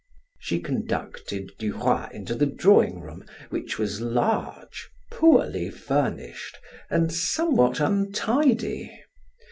She conducted Duroy into the drawing room, which was large, poorly furnished, and somewhat untidy.